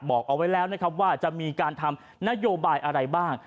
บอกเอาไว้แล้วนะครับว่าจะมีการทำนโยบายอะไรบ้าง